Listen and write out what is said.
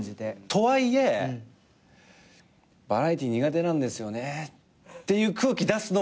とはいえバラエティー苦手なんですよねっていう空気出すのもすごい嫌。